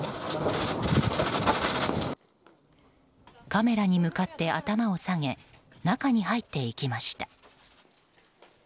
カメラに向かって頭を下げ中に入っていきました。